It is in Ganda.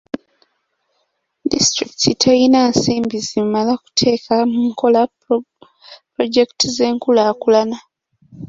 Disitulikiti teyina nsimbi zimala kuteeka mu nkola pulojekiti z'enkulaakulana.